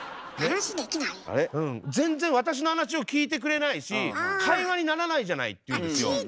「全然私の話を聞いてくれないし会話にならないじゃない」って言うんすよ。